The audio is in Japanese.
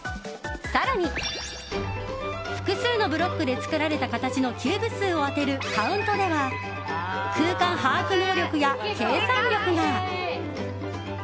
更に複数のブロックで作られた形のキューブ数を当てるカウントでは空間把握能力や計算力が。